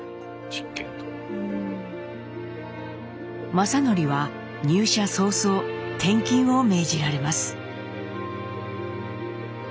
正順は入社早々転勤を命じられます。